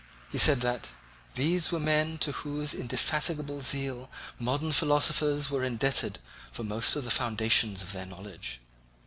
He said that "These were men to whose indefatigable zeal modern philosophers were indebted for most of the foundations of their knowledge.